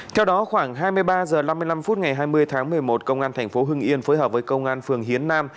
theo đó khoảng hai mươi ba h năm mươi năm phút ngày hai mươi tháng một mươi một công an tp hưng yên phối hợp với công an phường hiến nam